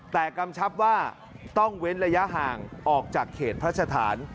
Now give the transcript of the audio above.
แต่กำชับว่าต้องเว้นระยะห่างออกจากเขตพระสถาน